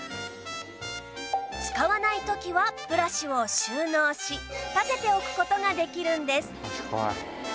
使わない時はブラシを収納し立てておく事ができるんです